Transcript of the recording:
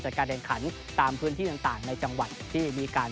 การแข่งขันตามพื้นที่ต่างในจังหวัดที่มีการ